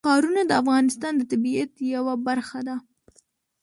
ښارونه د افغانستان د طبیعت یوه برخه ده.